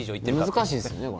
難しいですよね